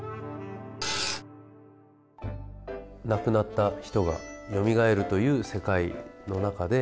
亡くなった人がよみがえるという世界の中で。